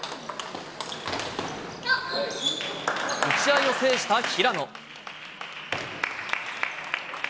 打ち合いを制した平野。